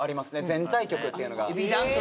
全体曲っていうのが・あっ